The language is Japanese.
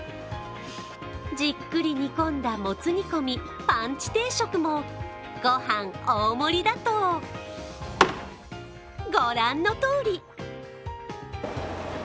じっくり煮込んだもつ煮込み、パンチ定食も御飯大盛りだと、御覧のとおり。